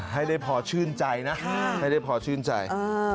ให้ได้พอชื่นใจนะให้ได้พอชื่นใจ